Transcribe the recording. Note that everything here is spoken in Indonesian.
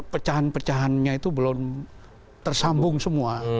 pecahan pecahannya itu belum tersambung semua